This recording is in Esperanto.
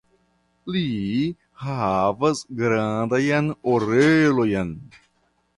Li havas grandajn orelojn.